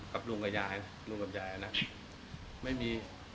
กับลุงกับยายนะลุงกับยายนะไม่มี